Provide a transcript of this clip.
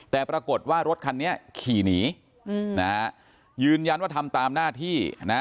แต่ปรากฏว่ารถคันนี้ขี่หนีนะฮะยืนยันว่าทำตามหน้าที่นะ